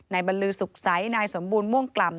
นายบรรลือสุขไซต์นายสมบูรณ์ม่วงกล่ำ